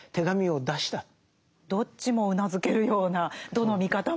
どっちもうなずけるようなどの見方も。